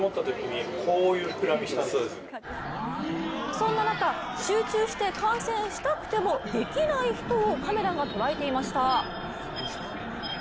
そんな中、集中して観戦したくてもできない人をカメラが捉えていました。